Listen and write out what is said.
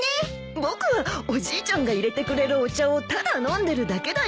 僕はおじいちゃんが入れてくれるお茶をただ飲んでるだけだよ。